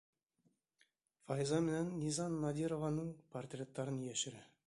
Файза менән Низам Надированың портреттарын йәшерә.